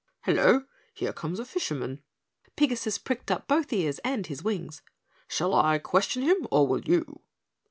Hello! Here comes a fisherman." Pigasus pricked up both ears and his wings. "Shall I question him or will you?"